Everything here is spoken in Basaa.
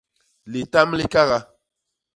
Litam li kaga.